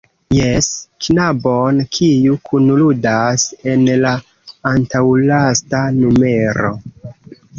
Jes, knabon, kiu kunludas en la antaŭlasta numero.